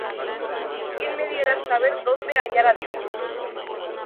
Quién me diera el saber dónde hallar á Dios!